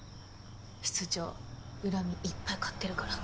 室長恨みいっぱい買ってるから。